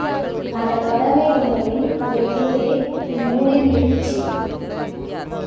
அந்தக் கடமை உணர்வின் ஒரு கூறே இந்நூலின் எழுச்சி.